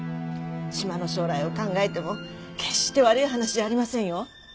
島の将来を考えても決して悪い話じゃありませんよ。